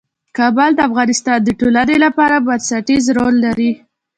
کابل د افغانستان د ټولنې لپاره بنسټيز رول لري.